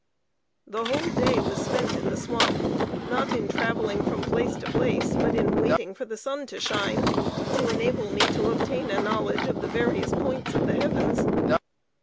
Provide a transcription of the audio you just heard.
The whole day was spent in the swamp, not in traveling from place to place, but in waiting for the sun to shine, to enable me to obtain a knowledge of the various points of the heavens.